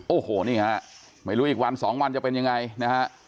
โอ้โหนี่ฮะไม่รู้อีกวันสองวันจะเป็นยังไงนะฮะ